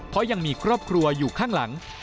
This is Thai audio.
เพราะยังมีครอบครัวอยู่ข้างหลัง